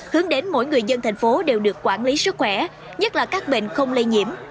hướng đến mỗi người dân thành phố đều được quản lý sức khỏe nhất là các bệnh không lây nhiễm